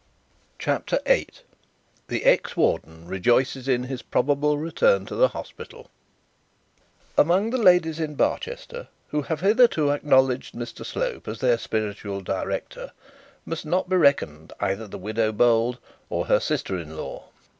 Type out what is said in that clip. CHAPTER VIII THE EX WARDEN REJOICES IN HIS PROBABLE RETURN TO THE HOSPITAL Among the ladies in Barchester who have hitherto acknowledged Mr Slope as their spiritual director, must not be reckoned either the widow Bold, or her sister in law.